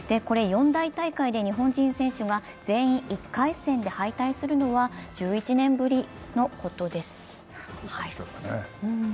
４大大会で日本人選手が全員１回戦で敗退するのは１１年ぶりのことです。